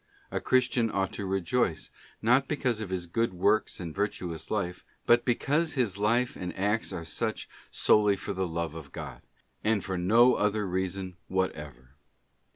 A Christian ought to rejoice, not because of his good works and virtuous life, but because his life and acts are such solely for the love of God, and for no other reason whatever.